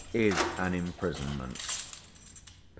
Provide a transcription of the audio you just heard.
is an imprisonment" (p.